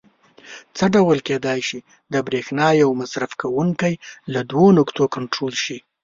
څه ډول کېدای شي د برېښنا یو مصرف کوونکی له دوو نقطو کنټرول شي؟